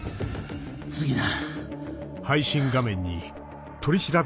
次だ。